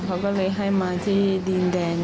เขาก็เลยให้มาที่ดินแดง